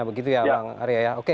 begitu ya bang arya